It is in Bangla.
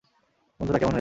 বন্ধুরা, কেমন হয়েছে?